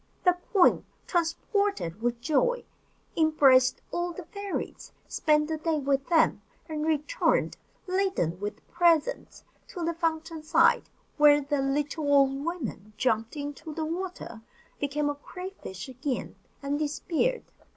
The queen, transported with joy, embraced all the fairies, spent the day with them, and returned, laden with presents, to the fountain side; where the little old woman jumped into the water, became a cray fish again, and disappeared.